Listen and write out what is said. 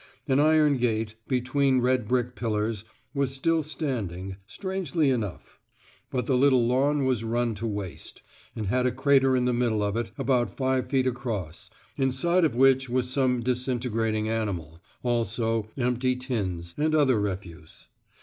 An iron gate, between red brick pillars, was still standing, strangely enough; but the little lawn was run to waste, and had a crater in the middle of it about five feet across, inside of which was some disintegrating animal, also empty tins, and other refuse.